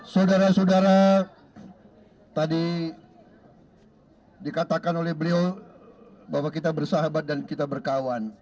saudara saudara tadi dikatakan oleh beliau bahwa kita bersahabat dan kita berkawan